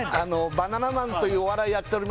バナナマンというお笑いやっております